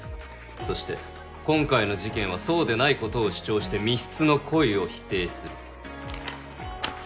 そして今回の事件はそうでないことを主張して未必の故意を否定する。